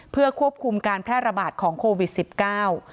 เพื่อควบคุมการแพร่ระบาดของโควิดสิบเก้า